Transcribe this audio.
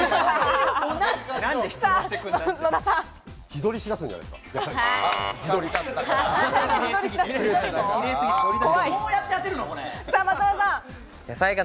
自撮りしだすんじゃないですか、野菜が。